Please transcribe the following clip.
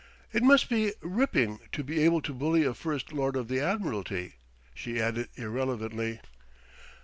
It must be ripping to be able to bully a First Lord of the Admiralty," she added irrelevantly.